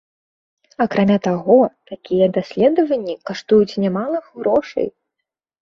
Акрамя таго, такія даследаванні каштуюць немалых грошай.